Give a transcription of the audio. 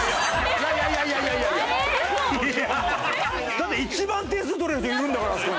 だって一番点数取れるヤツがいるんだからあそこに。